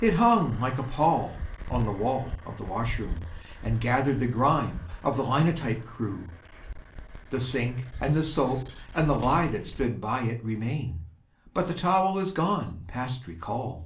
It hung like a pall on the wall of the washroom, And gathered the grime of the linotype crew. The sink and the soap and the lye that stood by it Remain; but the towel is gone past recall.